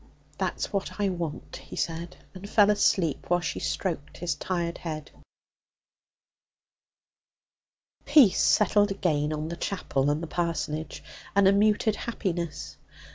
'That's what I want,' he said, and fell asleep while she stroked' his tired head. Peace settled again on the chapel and parsonage, and a muted happiness.